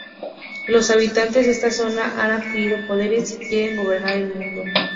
Los habitantes de esta zona han adquirido poderes y quieren gobernar el mundo.